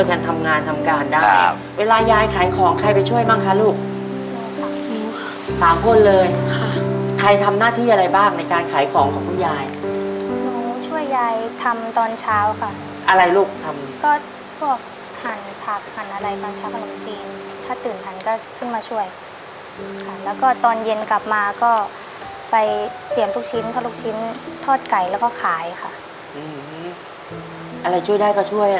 เด็กกลับมาก็ช่วยคนทำงานทำการได้อีก